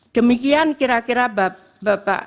demikian kira kira yang mulia bapak